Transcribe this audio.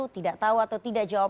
tidak tahu atau tidak jawab